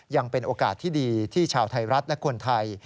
ยังเป็นโอกาสที่ดีที่ชาวไทยรัฐและคนไทย